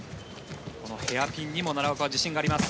このヘアピンにも奈良岡は自信があります。